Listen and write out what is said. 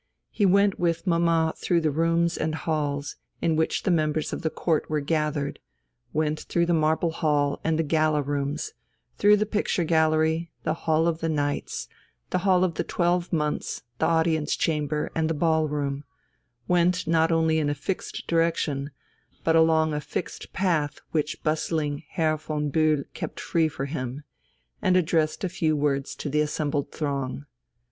He went with mamma through the rooms and halls, in which the members of the Court were gathered, went through the Marble Hall and the Gala Rooms, through the Picture Gallery, the Hall of the Knights, the Hall of the Twelve Months, the Audience Chamber, and the Ball room went not only in a fixed direction, but along a fixed path which bustling Herr von Bühl kept free for him, and addressed a few words to the assembled throng.